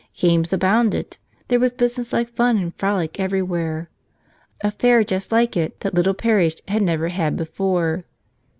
Games abounded. There was business like fun and frolic everywhere. A fair just like it that little parish had never had before.